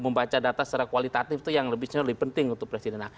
membaca data secara kualitatif itu yang lebih penting untuk presiden